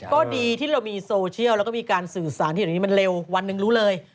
ก็ดีที่เรามีโซเชียลแล้วก็มีการสื่อสารที่เดี๋ยวนี้มันเร็ววันหนึ่งรู้เลย